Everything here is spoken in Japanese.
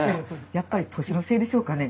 やっぱり年のせいでしょうかね